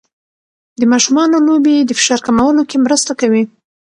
د ماشومانو لوبې د فشار کمولو کې مرسته کوي.